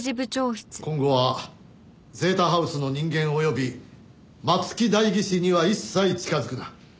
今後はゼータハウスの人間および松木代議士には一切近づくな。